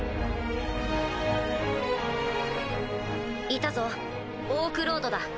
いたぞオークロードだ。